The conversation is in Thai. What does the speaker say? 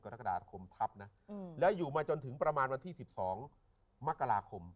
กรกฎาคมทัพนะแล้วอยู่มาจนถึงประมาณวันที่๑๒มกราคม